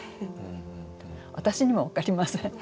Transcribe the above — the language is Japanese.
私にも分かりません。